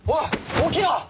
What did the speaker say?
起きろ！